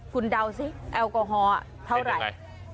คุณเดาสิแอลกอฮอล์อ่ะเท่าไหร่เห็นยังไง